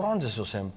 先輩。